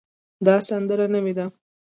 دا سندره نوې ده